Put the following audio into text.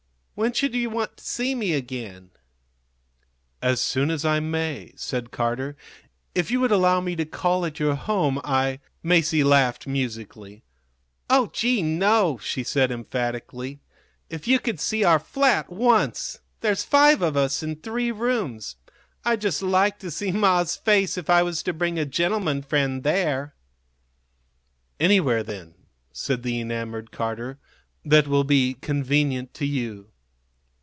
When should you want to see me again?" "As soon as I may," said Carter. "If you would allow me to call at your home, I " Masie laughed musically. "Oh, gee, no!" she said, emphatically. "If you could see our flat once! There's five of us in three rooms. I'd just like to see ma's face if I was to bring a gentleman friend there!" "Anywhere, then," said the enamored Carter, "that will be convenient to you."